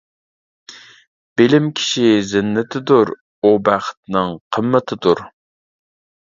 بىلىم كىشى زىننىتىدۇر، ئۇ بەختنىڭ قىممىتىدۇر.